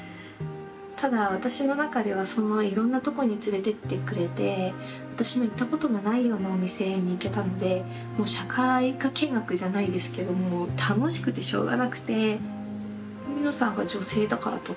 ただ私の中ではいろんなとこに連れてってくれて私の行ったことのないようなお店に行けたので社会科見学じゃないですけどもう楽しくてしょうがなくて。